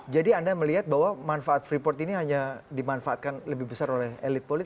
jadi anda melihat bahwa manfaat freeport ini hanya dimanfaatkan lebih besar oleh elit politik